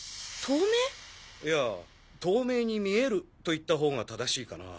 いや透明に見えると言ったほうが正しいかな。